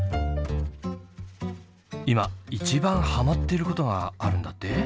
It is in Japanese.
今一番ハマっていることがあるんだって？